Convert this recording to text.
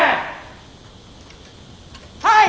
はい！